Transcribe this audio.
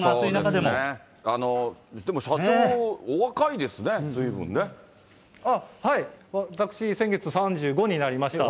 でも、社長、お若いですね、私、先月３５になりました。